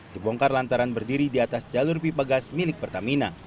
dibongkar lantaran berdiri di atas jalur pipa gas milik pertamina